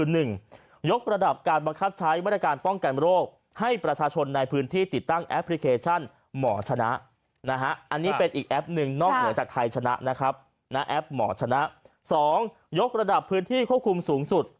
นะครับนะแอปหมอชนะสองยกระดับพื้นที่ควบคุมสูงสุด